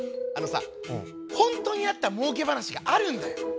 あのさ本当にあったもうけ話があるんだよ。